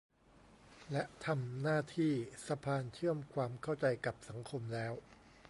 และทำหน้าที่สะพานเชื่อมความเข้าใจกับสังคมแล้ว